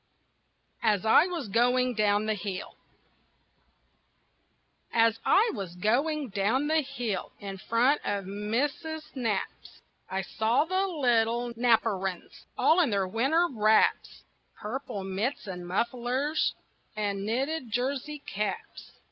AS I WAS GOING DOWN THE HILL As I was going down the hill In front of Missus Knapp's I saw the little Knapperines All in their winter wraps Purple mitts and mufflers And knitted jersey caps.